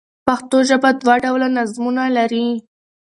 پښتو ژبه دوه ډوله نظمونه لري.